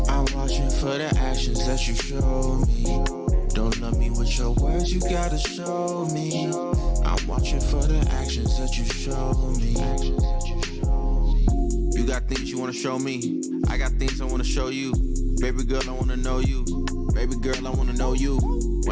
โอ้เชอรี่ดูแล้วอยากไปเที่ยวทะเลบ้างจังเนาะ